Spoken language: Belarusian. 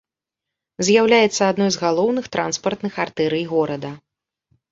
З'яўляецца адной з галоўных транспартных артэрый горада.